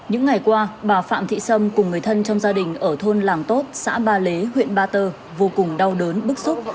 những ngày qua bà phạm thị sâm cùng người thân trong gia đình ở thôn làng tốt xã ba lế huyện ba tơ vô cùng đau đớn bức xúc